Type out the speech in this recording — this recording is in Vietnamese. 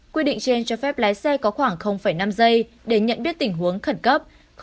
quy định trên cho phép lái xe có khoảng năm giây để nhận biết tình huống khẩn cấp